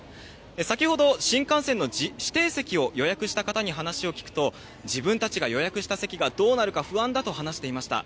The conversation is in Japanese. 先ほど新幹線の指定席を予約した方に話を聞くと、自分たちが予約した席がどうなるか不安だと話していました。